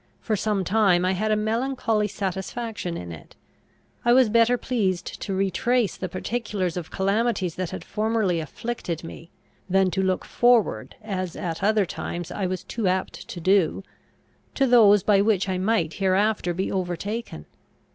For some time I had a melancholy satisfaction in it. I was better pleased to retrace the particulars of calamities that had formerly afflicted me, than to look forward, as at other times I was too apt to do, to those by which I might hereafter be overtaken.